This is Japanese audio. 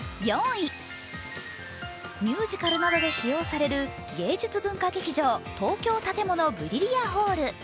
ミュージカルなどで使用される芸術文化劇場東京建物ＢｒｉｌｌｉａＨＡＬＬ。